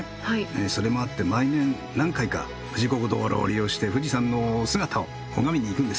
それもあって毎年何回か富士五湖道路を利用して富士山のお姿を拝みに行くんです。